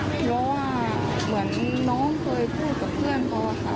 ไม่รู้ว่าเหมือนน้องเคยพูดกับเพื่อนเขาค่ะ